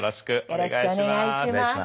お願いします。